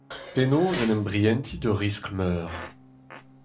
Penaos en em brientiñ d'ur riskl meur ?